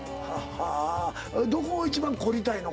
どこを一番凝りたいの？